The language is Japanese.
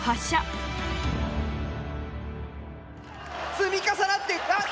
積み重なってあっ！